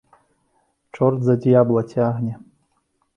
Чорт за д'ябла цягне.